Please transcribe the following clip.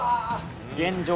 現状